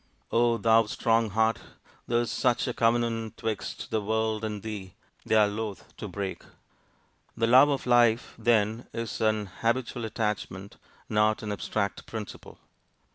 O! thou strong heart! There's such a covenant 'twixt the world and thee They're loth to break! The love of life, then, is an habitual attachment, not an abstract principle.